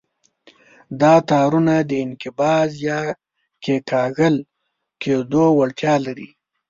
دا تارونه د انقباض یا کیکاږل کېدو وړتیا لري.